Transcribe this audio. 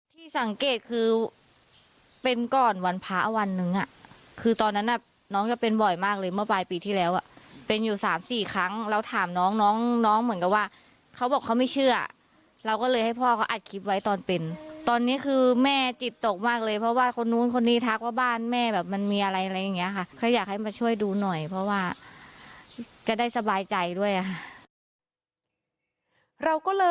ที่สังเกตคือเป็นก่อนวันพระวันนึงอ่ะคือตอนนั้นน่ะน้องจะเป็นบ่อยมากเลยเมื่อปลายปีที่แล้วอ่ะเป็นอยู่สามสี่ครั้งเราถามน้องน้องเหมือนกับว่าเขาบอกเขาไม่เชื่อเราก็เลยให้พ่อเขาอัดคลิปไว้ตอนเป็นตอนนี้คือแม่จิตตกมากเลยเพราะว่าคนนู้นคนนี้ทักว่าบ้านแม่แบบมันมีอะไรอะไรอย่างเงี้ยค่ะเขาอยากให้มาช่วยดูหน่อยเพราะว่าจะได้สบายใจด้วยอ่ะค่ะ